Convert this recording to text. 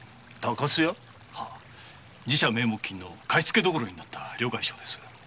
寺社名目金の貸付所になった両替商です。